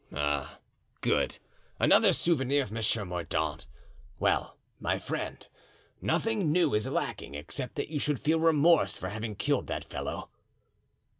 "Ah! Good! another souvenir of Monsieur Mordaunt. Well, my friend, nothing now is lacking except that you should feel remorse for having killed that fellow."